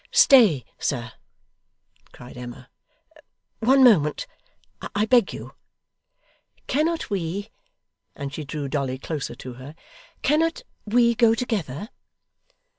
'Stay, sir!' cried Emma 'one moment, I beg you. Cannot we' and she drew Dolly closer to her 'cannot we go together?